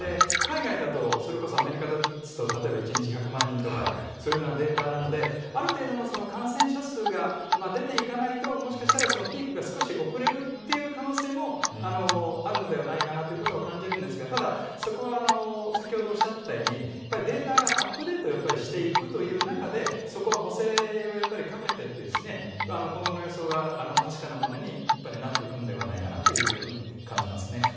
海外だとそれこそアメリカですと例えば１日１００万人とかそういうデータなのである程度の感染者数が出ていかないともしかしたらピークが少し遅れる可能性もあるのではないかなということは感じるんですがただ、そこは先ほどおっしゃっていたようにデータをアップデートしていくという中でそこは補正をかけていって今後の予想が確かなものになっていくんではないかなと感じますね。